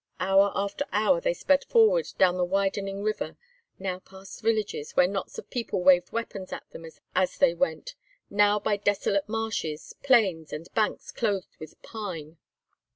Hour after hour they sped forward down the widening river; now past villages, where knots of people waved weapons at them as they went; now by desolate marshes, plains, and banks clothed with pine.